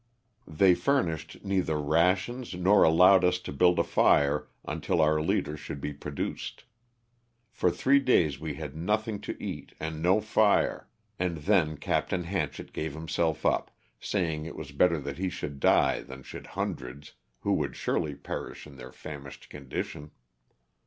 They furnished neither rations nor allowed us to build a fire until our leader should be produced. For three days we had nothing to eat and no fire, and then Capt. Hanchett gave himself up, saying it was better that he should die than should hundreds, who would surely perish in their famished condition.